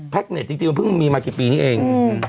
เน็ตจริงมันเพิ่งมีมากี่ปีนี้เอง